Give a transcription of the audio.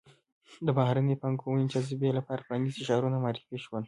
د بهرنۍ پانګونې جذب لپاره پرانیستي ښارونه معرفي شول.